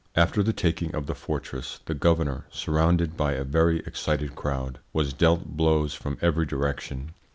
After the taking of the fortress the governor, surrounded by a very excited crowd, was dealt blows from every direction.